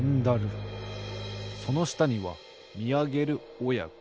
そのしたにはみあげるおやこ。